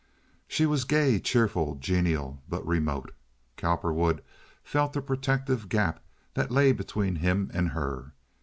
She was gay, cheerful, genial, but remote. Cowperwood felt the protective gap that lay between him and her.